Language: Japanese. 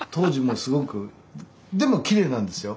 でもきれいなんですよ。